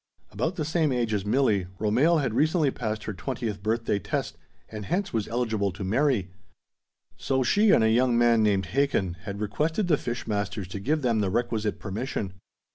About the same age as Milli, Romehl had recently passed her twentieth birthday test and hence was eligible to marry; so she and a young man named Hakin had requested the fish masters to give them the requisite permission.